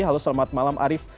halo selamat malam arief